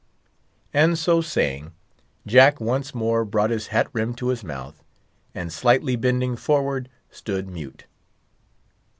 And so saying, Jack once more brought his hat rim to his mouth, and slightly bending forward, stood mute.